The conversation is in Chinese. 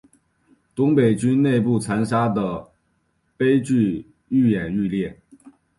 东北军内部残杀的悲剧愈演愈烈。